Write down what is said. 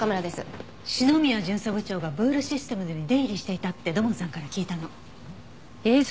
篠宮巡査部長がブールシステムズに出入りしていたって土門さんから聞いたの。